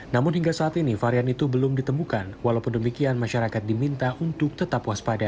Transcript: namun hingga saat ini varian itu belum ditemukan walaupun demikian masyarakat diminta untuk tetap waspada